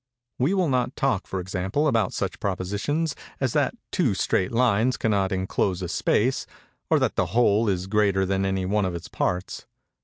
We will not talk, for example, about such propositions as that two straight lines cannot enclose a space, or that the whole is greater than any one of its parts.